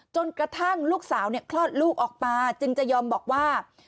จนกระทั่งลูกสาวคลอดลูกออกมาจึงจะยอมบอกว่า